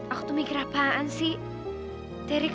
aku tuh mikir apaan sih